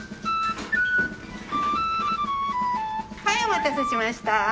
はいお待たせしました。